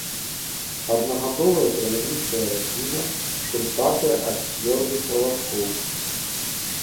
Аднагадовая травяністая расліна, шурпатая ад цвёрдых валаскоў.